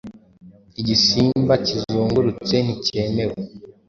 Igisimba kizungurutse nticyemewe